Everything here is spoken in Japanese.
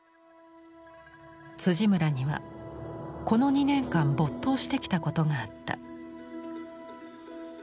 村にはこの２年間没頭してきたことがあった。